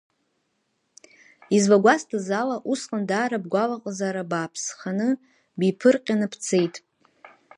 Излагәасҭаз ала, усҟан даара бгәалаҟазаара бааԥсханы биԥырҟьаны бцеит.